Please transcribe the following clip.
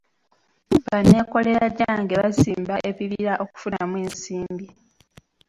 Banneekolera gyange basimba ebibira okufunamu ensimbi.